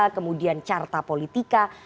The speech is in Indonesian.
kemudian carta politika